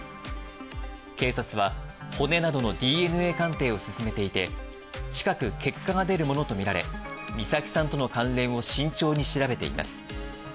警察は、骨などのＤＮＡ鑑定を進めていて、近く、結果が出るものと見られ、美咲さんとの関連を慎重に調べています。